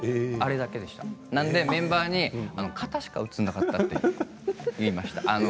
だからメンバーに肩しか映らなかったと言いました。